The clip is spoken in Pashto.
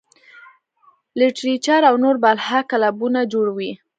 لټرېچر او نور بلها کلبونه جوړ وي -